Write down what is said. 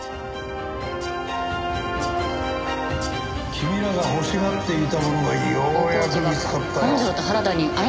君らが欲しがっていたものがようやく見つかったよ。